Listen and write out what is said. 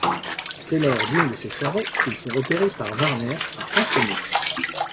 C'est lors d'une de ces soirées qu'ils sont repérés par Warner à Ancenis.